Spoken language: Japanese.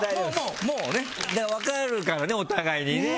分かるからね、お互いにね。